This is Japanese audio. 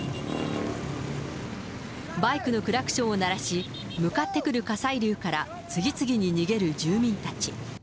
バイクのクラクションを鳴らし、向かってくる火砕流から次々に逃げる住民たち。